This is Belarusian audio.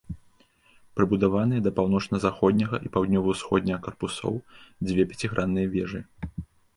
Прыбудаваныя да паўночна-заходняга і паўднёва-ўсходняга карпусоў дзве пяцігранныя вежы.